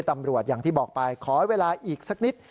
อย่างที่บอกไปขอเวลาอีกสักนิด